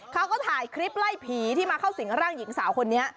เขาก็ถ่ายคลิปไล่ผีที่มาเข้าสิงร่างหญิงสาวคนนี้